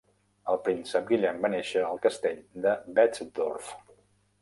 El príncep Guillem va néixer al castell de Betzdorf.